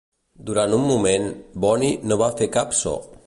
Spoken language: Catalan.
Durant un moment, Bonnie no va fer cap so.